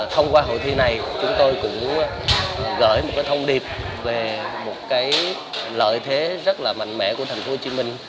thông qua hội thi này chúng tôi cũng gửi một thông điệp về một cái lợi thế rất là mạnh mẽ của thành phố hồ chí minh